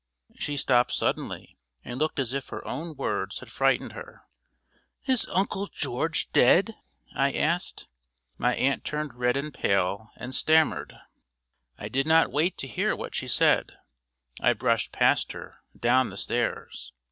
She stopped suddenly, and looked as if her own words had frightened her. "Is Uncle George dead?" I asked. My aunt turned red and pale, and stammered. I did not wait to hear what she said. I brushed past her, down the stairs.